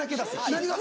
何が？